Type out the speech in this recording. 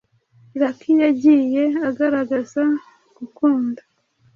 Lucky yagiye agaragaza gukunda